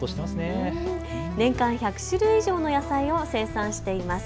年間１００種類以上の野菜を生産しています。